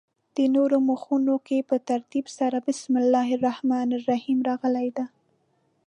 په نورو مخونو کې په ترتیب سره بسم الله الرحمن الرحیم راغلې ده.